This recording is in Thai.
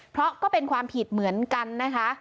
เพราะก็เป็นความผิดเหมือนกันนะคะ